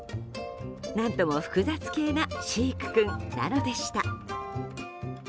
何とも複雑系なシィク君なのでした。